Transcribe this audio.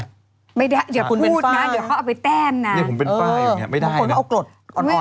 เดี๋ยวพูดนะเดี๋ยวเอาไปแต้มนะเพิ่งเขาออกโกรธอ่อนแต้ม